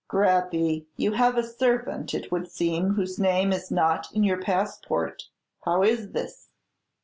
"Greppi, you have a servant, it would seem, whose name is not in your passport. How is this?"